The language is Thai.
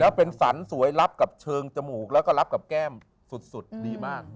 แล้วเป็นสรรสวยรับกับเชิงจมูกแล้วก็รับกับแก้มสุดดีมาก